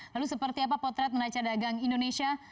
lalu seperti apa potret neraca dagang indonesia